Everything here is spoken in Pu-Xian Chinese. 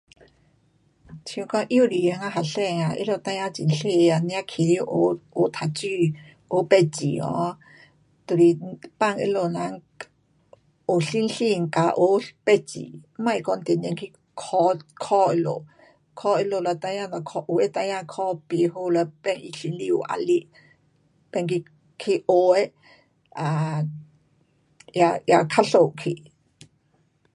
像说幼稚园的学生啊，他们孩儿很小个啊，才开始学，学读书，学识字哦，就是放他们人有信心，加学识字，别讲一直去考，考他们，考他们了，有的孩儿考不好了变做他心里有压力。变去去学的也，也较输去。